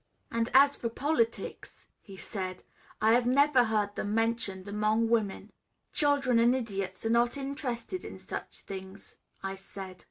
"And as for politics," he said, "I have never heard them mentioned among women." "Children and idiots are not interested in such things," I said.